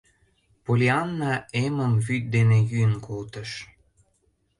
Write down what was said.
Поллианна эмым вӱд дене йӱын колтыш.